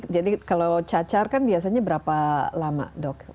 jadi kalau cacar kan biasanya berapa lama dok